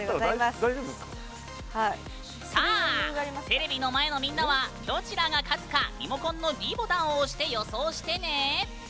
テレビの前のみんなはどちらが勝つかリモコンのｄボタンを押して予想してね！